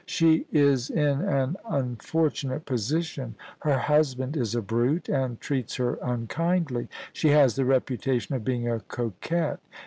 * She is in an unfortunate position ; her husband is a brute, and treats her unkindly. She has the reputation of being a coquette.